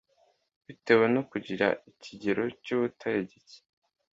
bitewe no kugira ikigero cy’ubutare gike